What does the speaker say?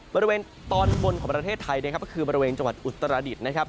บริเวณตอนบนของประเทศไทยนะครับก็คือบริเวณจังหวัดอุตรดิษฐ์นะครับ